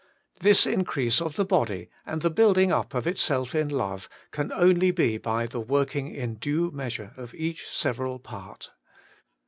This increase of the body and build ing up of itself in love can only be by the working in due measure of each several part.